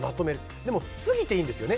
でも、過ぎていいんですよね。